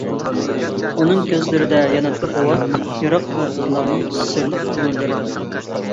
ئۇنىڭ كۆزلىرىدە ياناتتى غۇۋا، يىراق يۇلتۇزلارنىڭ سىرلىق نۇرلىرى.